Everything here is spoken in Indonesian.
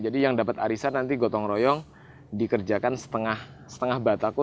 jadi yang dapat arisan nanti gotong royong dikerjakan setengah bataku